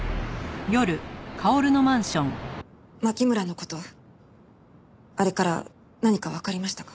牧村の事あれから何かわかりましたか？